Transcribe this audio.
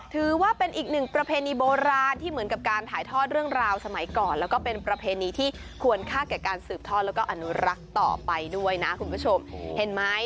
ถือว่าเป็นอีกหนึ่งประเพณีโบราณที่เหมือนกับการถ่ายทอดเรื่องราวสมัยก่อนแล้วก็เป็นประเพณีที่ควรค่าแก่การสืบทอดแล้วก็อนุรักษ์ต่อไปด้วยนะคุณผู้ชมเห็นไหม